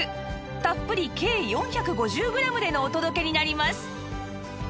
たっぷり計４５０グラムでのお届けになります